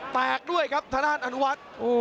แตกด้วยครับทางด้านอนุวัฒน์